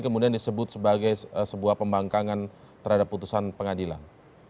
kemudian disebut sebagai sebuah pembangkangan terhadap putusan pengadilan